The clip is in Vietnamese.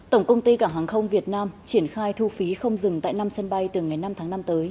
tổng công ty cảng hàng không việt nam triển khai thu phí không dừng tại năm sân bay từ ngày năm tháng năm tới